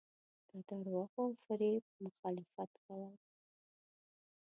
د درواغو او فریب مخالفت کول.